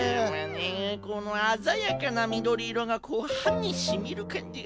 このあざやかなみどりいろがこうはにしみるかんじがして。